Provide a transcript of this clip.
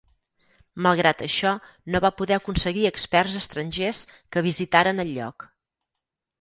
Malgrat això no va poder aconseguir experts estrangers que visitaren el lloc.